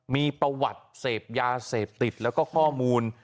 มีประวัติเสพยาเสพติดแล้วก็ข้อมูล